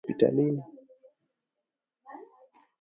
huku wengine wakifia hospitalini